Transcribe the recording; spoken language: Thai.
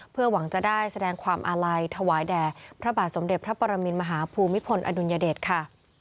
เพื่อหวังจะได้แสดงความอาลัยถวายแด่พระบาทสมเด็จพระปรมินมหาภูมิพลอดุลยเดชค่ะ